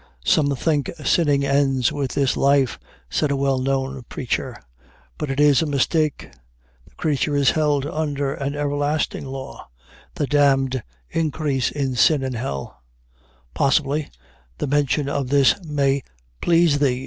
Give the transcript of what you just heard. "Some think sinning ends with this life," said a well known preacher, "but it is a mistake. The creature is held under an everlasting law; the damned increase in sin in hell. Possibly, the mention of this may please thee.